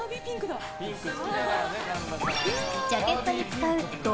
ジャケットに使うド